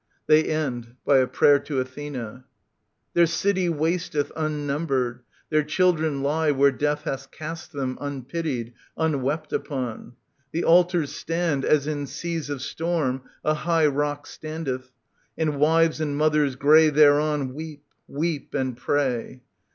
[They end by a prayer to Athena, Their city wasteth unnumbered ; their children lie Where death hath cast them, unpitied, unwept upon. The altars stand, as in seas of storm a high Rock standeth, and wives and mothers grey thereon Weep, weep and pray.